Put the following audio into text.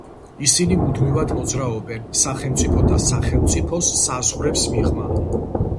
ისინი მუდმივად მოძრაობენ სახელმწიფოთა სახელმწიფო საზღვრებს მიღმა.